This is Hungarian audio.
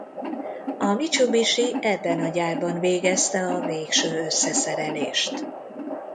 A Mitsubishi ebben a gyárban végezte a végső összeszerelést.